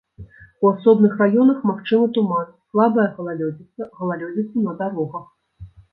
У асобных раёнах магчымы туман, слабая галалёдзіца, галалёдзіца на дарогах.